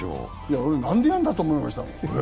なんでやるんだと思いましたよ。